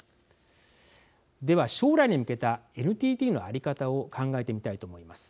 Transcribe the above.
では将来に向けたＮＴＴのあり方を考えてみたいと思います。